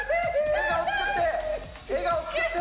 笑顔作って。